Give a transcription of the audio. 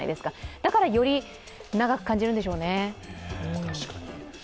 だからより長く感じるんでしょうね。